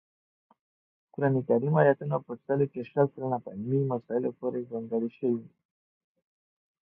قران کریم آیاتونه په سلو کې شل سلنه په علمي مسایلو پورې ځانګړي شوي